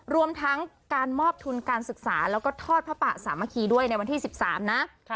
รวมทั้งการมอบทุนการศึกษาแล้วก็ทอดพระปะสามัคคีด้วยในวันที่๑๓นะ